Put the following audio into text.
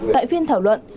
tại phiên thảo luận